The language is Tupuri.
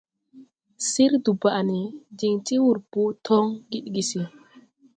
Sir Dubane diŋ ti wur botoŋ Gidigisi.